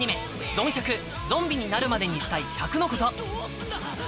「ゾン１００ゾンビになるまでにしたい１００のこと」。